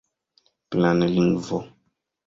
planlingvo